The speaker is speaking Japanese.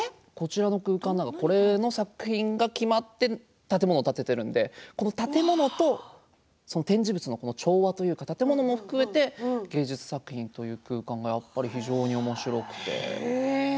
この作品が決まって建物を建てているのでこの建物と展示物の調和というか建物も含めて芸術作品という空間が非常におもしろくて。